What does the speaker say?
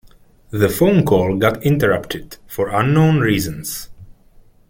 The phone call got interrupted for unknown reasons.